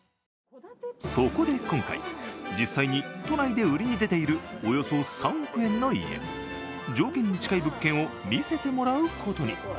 そこで今回、実際に都内で売りに出ているおよそ３億円の家、条件に近い物件を見せてもらうことに。